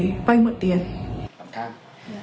với nhiều hình thức thủ đoạn trên